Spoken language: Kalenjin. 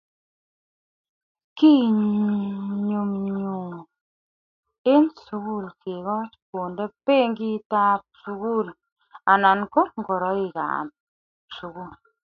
kinyumnyum eng sugul kekoch konde bagit ab sugul anan ko ngoroik ab sugul